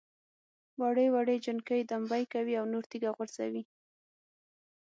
وړې وړې جنکۍ دمبۍ کوي او نور تیږه غورځوي.